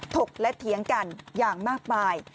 ถกและเถียงกันอย่างมากมาย